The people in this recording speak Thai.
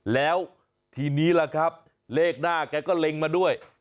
แล้วทีนี้ล่ะครับเลขหน้าแกก็เล็งมาด้วย